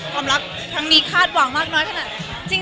ความรักครั้งนี้คาดหวังมากน้อยขนาดไหน